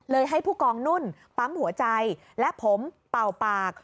ให้ผู้กองนุ่นปั๊มหัวใจและผมเป่าปาก